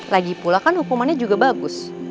lagi pula kan hukumannya juga bagus